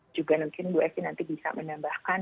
juga mungkin bu evi nanti bisa menambahkan